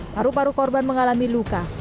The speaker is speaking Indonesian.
paru paru korban mengalami luka